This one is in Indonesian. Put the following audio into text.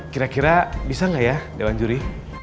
kira kira bisa nggak ya dewan juri